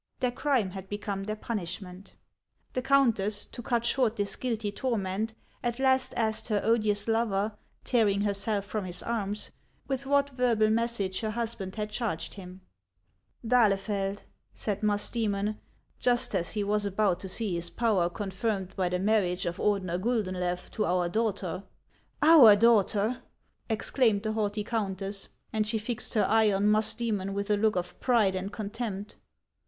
Their crime had become their punishment. The countess, to cut short this guilty torment, at last asked her odious lover, tearing herself from his arms, with what verbal message her husband had charged him. 84 HANS OF ICELAND. " D'Ahlei'eld," said Musdiomon, "just as he was about to see his power continued by the marriage of Ordener Guldenlew to our daughter —" Our daughter !" exclaimed the haughty countess ; aud she fixed her eye on Musdojmon with a look of pride and contempt.